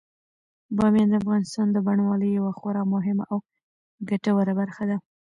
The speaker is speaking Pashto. بامیان د افغانستان د بڼوالۍ یوه خورا مهمه او ګټوره برخه ده.